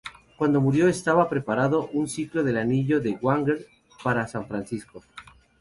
Cuando murió estaba preparando un ciclo del anillo de Wagner para San Francisco.